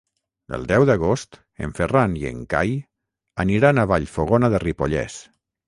El deu d'agost en Ferran i en Cai aniran a Vallfogona de Ripollès.